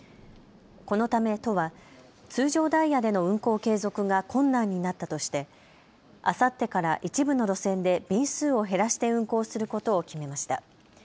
このため都は通常ダイヤでの運行継続が困難になったとしてあさってから一部の路線で便数を減らして運行することを決めました。